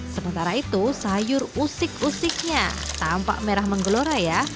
sementara itu sayur usik usiknya tampak merah menggelora ya